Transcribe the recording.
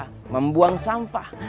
tempat membuang sampah